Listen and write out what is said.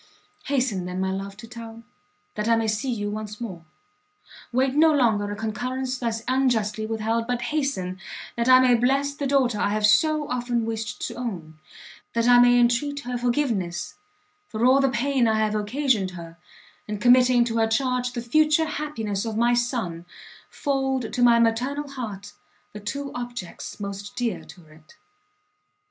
Hasten then, my love, to town, that I may see you once more! wait no longer a concurrence thus unjustly with held, but hasten, that I may bless the daughter I have so often wished to own! that I may entreat her forgiveness for all the pain I have occasioned her, and committing to her charge the future happiness of my son, fold to my maternal heart the two objects most dear to it!